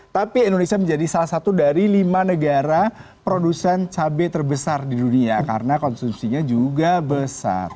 tapi indonesia menjadi salah satu dari lima negara produsen cabai terbesar di dunia karena konsumsinya juga besar